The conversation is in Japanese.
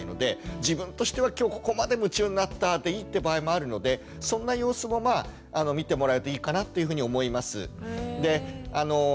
自分としては「今日ここまで夢中になった」でいいって場合もあるのでそんな様子もまあ見てもらうといいかなというふうに思います。